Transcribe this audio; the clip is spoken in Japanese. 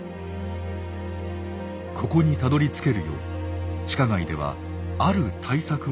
ここにたどりつけるよう地下街ではある対策をしています。